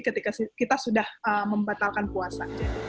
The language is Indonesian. ketika kita sudah membatalkan puasa